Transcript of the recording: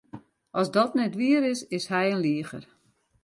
As dat net wier is, is hy in liger.